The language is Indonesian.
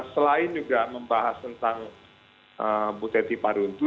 selain juga membahas tentang bu teti paruntu